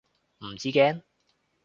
唔知驚？